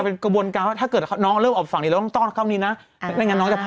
ไปวันข้าวตีอะไรนู่นก่อนแล้วก็กลับมาอยุธยา